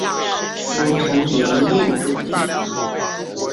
形成连任阻力。